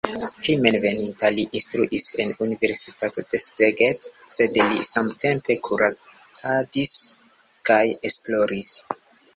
Hejmenveninta li instruis en universitato de Szeged, sed li samtempe kuracadis kaj esploris.